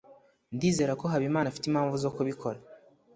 ndizera ko habimana afite impamvu zo kubikora